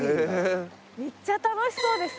めっちゃ楽しそうですね。